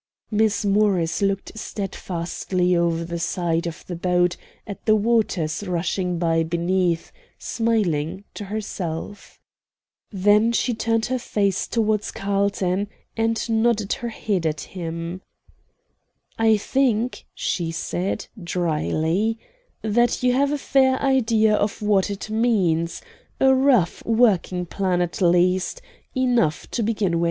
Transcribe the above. '" Miss Morris looked steadfastly over the side of the boat at the waters rushing by beneath, smiling to herself. Then she turned her face towards Carlton, and nodded her head at him. "I think," she said, dryly, "that you have a fair idea of what it means; a rough working plan at least enough to begin on."